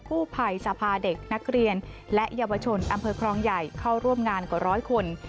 กู้ภัยสภาเด็กนักเรียนและเยาวชนอำเภอครองใหญ่เข้าร่วมงานกว่าร้อยคน